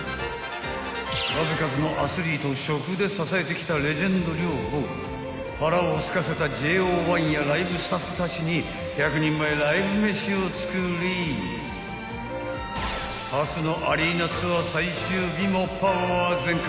［数々のアスリートを食で支えてきたレジェンド寮母が腹をすかせたＪＯ１やライブスタッフたちに１００人前ライブ飯を作り初のアリーナツアー最終日もパワー全開］